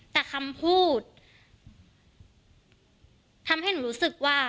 แต่คำพูดทำให้หนูรู้สึกว่า